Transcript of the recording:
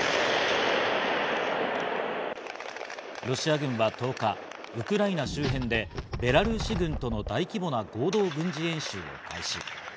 ロシア軍は１０日、ウクライナ周辺でベラルーシ軍との大規模な合同軍事演習を開始。